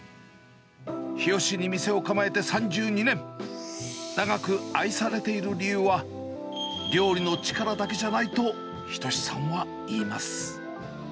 日吉に店を構えて３２年、長く愛されている理由は、料理の力だけじゃないと、斎さんは言います。